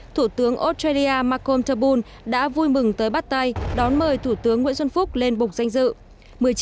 thủ tướng australia marcom tabul đã vui mừng tới bắt tay đón mời thủ tướng nguyễn xuân phúc lên bục danh dự